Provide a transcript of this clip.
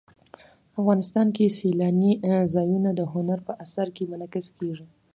افغانستان کې سیلانی ځایونه د هنر په اثار کې منعکس کېږي.